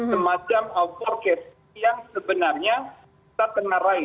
semacam forecast yang sebenarnya tak terlarai